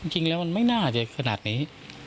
จริงแล้วมันไม่น่าจะขนาดนี้